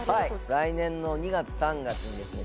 来年の２月３月にですね